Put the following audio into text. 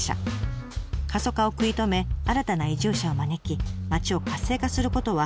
過疎化を食い止め新たな移住者を招き町を活性化することは急務の課題です。